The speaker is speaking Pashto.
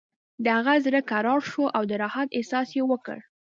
د هغه زړه کرار شو او د راحت احساس یې وکړ